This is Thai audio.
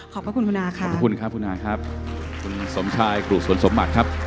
พระคุณคุณอาค่ะขอบคุณครับคุณอาครับคุณสมชายกรุสวนสมบัติครับ